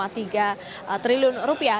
dua tiga triliun rupiah